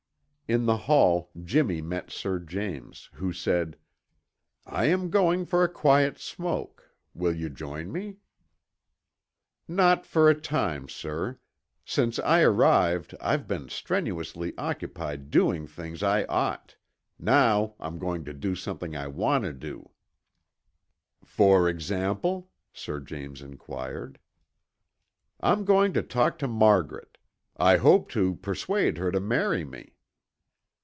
In the hall Jimmy met Sir James, who said, "I am going for a quiet smoke. Will you join me?" "Not for a time, sir. Since I arrived I've been strenuously occupied doing things I ought. Now I'm going to do something I want to do." "For example?" Sir James inquired. "I'm going to talk to Margaret. I hope to persuade her to marry me."